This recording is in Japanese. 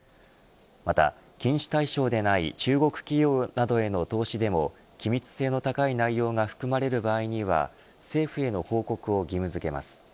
また禁止対象でない中国企業などへの投資でも機密性の高い内容が含まれる場合には政府への報告を義務付けます。